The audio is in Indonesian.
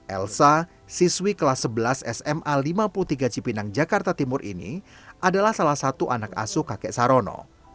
elsa siswi kelas sebelas sma lima puluh tiga cipinang jakarta timur ini adalah salah satu anak asuh kakek sarono